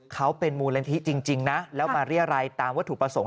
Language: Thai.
เขาเป็นมูลนิธิจริงนะแล้วมาเรียรัยตามวัตถุประสงค์